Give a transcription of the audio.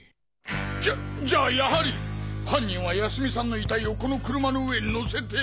じゃじゃあやはり犯人は泰美さんの遺体をこの車の上にのせて！？